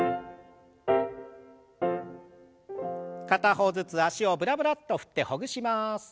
片方ずつ脚をブラブラッと振ってほぐします。